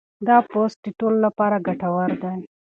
دا پوسټ د ټولو لپاره ګټور دی.